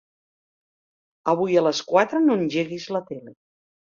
Avui a les quatre no engeguis la tele.